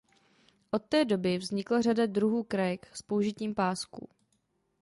Od té doby vznikla řada druhů krajek s použitím pásků.